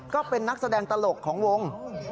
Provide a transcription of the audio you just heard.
ก็เป็นนักแสดงตลกของวง